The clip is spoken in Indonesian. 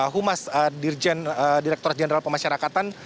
humas direktur general pemasyarakatan